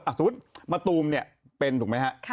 สมมุติมะตูมเป็นถูกไหมครับ